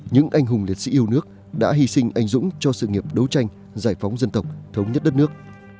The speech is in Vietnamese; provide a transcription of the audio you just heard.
những anh hùng liệt sĩ yêu nước đã hy sinh anh dũng cho sự nghiệp đấu tranh giải phóng dân tộc thống nhất đất nước